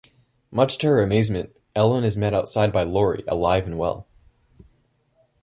Much to her amazement, Ellen is met outside by Lori, alive and well.